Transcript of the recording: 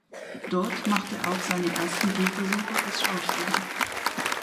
Dort machte er auch seine ersten Gehversuche als Schauspieler.